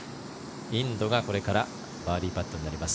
インドがこれからバーディーパットになります。